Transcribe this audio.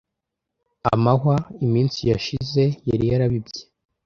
Amahwa, Iminsi yashize yari yarabibye,